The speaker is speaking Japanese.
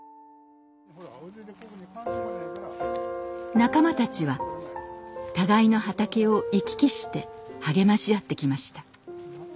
仲間たちは互いの畑を行き来して励まし合ってきました。